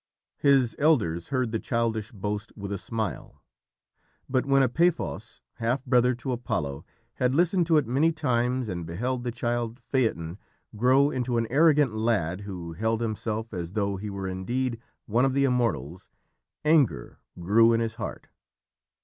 His elders heard the childish boast with a smile, but when Epaphos, half brother to Apollo, had listened to it many times and beheld the child, Phaeton, grow into an arrogant lad who held himself as though he were indeed one of the Immortals, anger grew in his heart.